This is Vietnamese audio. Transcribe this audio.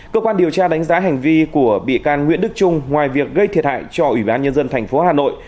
cơ quan điều tra đánh giá hành vi của bị can nguyễn đức trung ngoài việc gây thiệt hại cho ủy ban nhân dân tp hà nội